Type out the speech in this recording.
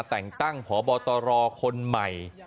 ะแต่งตั้งห่อบอตรอคนใหม่